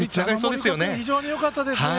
非常によかったですね。